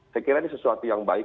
saya kira ini sesuatu yang baik